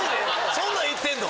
そんなんいってんの？